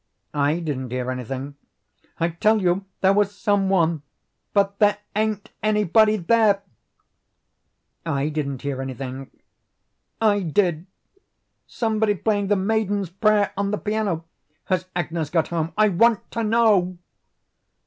"I didn't hear anything." "I tell you there was some one. But THERE AIN'T ANYBODY THERE." "I didn't hear anything." "I did somebody playing 'The Maiden's Prayer' on the piano. Has Agnes got home? I WANT TO KNOW."